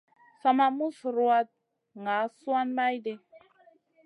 Sa ma mus ruwatn ŋa suan mayɗi.